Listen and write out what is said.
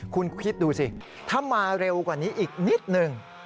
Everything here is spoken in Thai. คุณคิดดูสิถ้ามาเร็วกว่านี้อีกนิดนึง